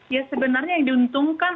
ya sebenarnya yang diuntungkan